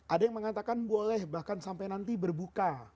ada yang mengatakan boleh bahkan sampai nanti berbuka